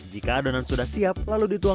jika adonan sudah siap lalu dituang